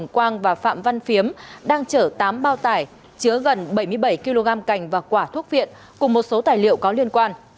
quang và phạm văn phiếm đang chở tám bao tải chứa gần bảy mươi bảy kg cành và quả thuốc viện cùng một số tài liệu có liên quan